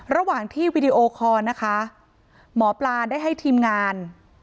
ระหว่างที่วีดีโอคอร์นะคะหมอปลาได้ให้ทีมงาน